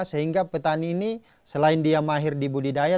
sehingga petani ini selain dia mahir di budidaya